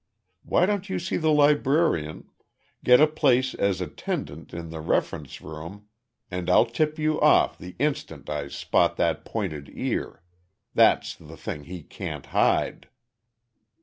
Why don't you see the librarian, get a place as attendant in the reference room, and I'll tip you off the instant I spot that pointed ear. That's one thing he can't hide!"